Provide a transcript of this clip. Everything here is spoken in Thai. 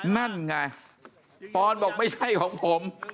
นั่นไงปอนบอกไม่ใช่ของผม